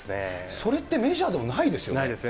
それってメジャーでもないでないですね。